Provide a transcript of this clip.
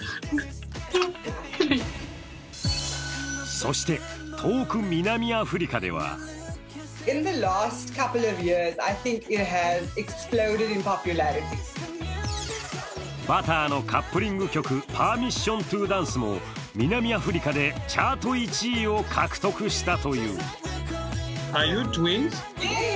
そして、遠く南アフリカでは「Ｂｕｔｔｅｒ」のカップリング曲も「ＰｅｒｍｉｓｓｉｏｎｔｏＤａｎｃｅ」も南アフリカでチャート１位を獲得したという。